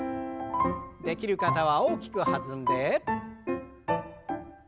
できる方は大きく弾んで。